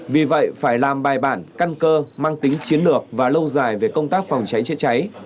vì vậy phải làm bài bản căn cơ mang tính chiến lược và lâu dài về công tác phòng cháy chữa cháy